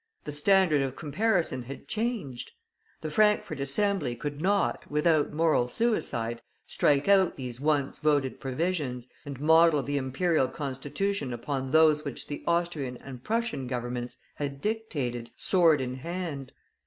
The standard of comparison had changed. The Frankfort Assembly could not, without moral suicide, strike out these once voted provisions, and model the Imperial Constitution upon those which the Austrian and Prussian Governments had dictated, sword in hand.